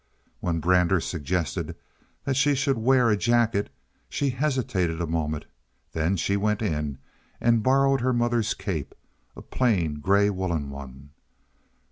When Brander suggested that she should wear a jacket she hesitated a moment; then she went in and borrowed her mother's cape, a plain gray woolen one.